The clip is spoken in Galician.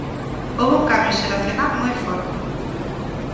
Houbo un cambio xeracional moi forte.